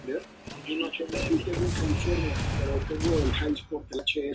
Era hija de Enrique V, conde palatino del Rin.